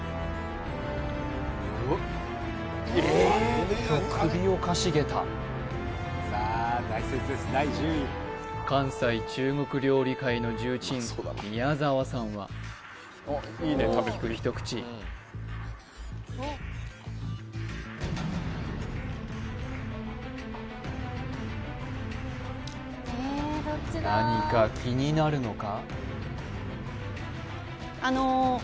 おっと首をかしげた関西中国料理界の重鎮宮澤さんは大きく一口何か気になるのか？